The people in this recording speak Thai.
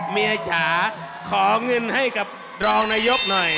เมียจ๋าขอเงินให้กับรองนายกหน่อย